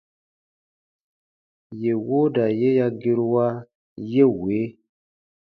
Yè wooda ye ya gerua ye wee :